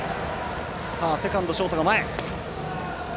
セカンド、ショートが前。